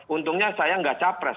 untungnya saya tidak capres